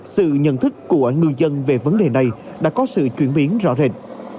sự nhận thức của ngư dân về vấn đề này đã có sự chuyển biến rõ rệt